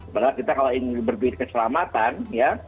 padahal kita kalau ingin berduit keselamatan ya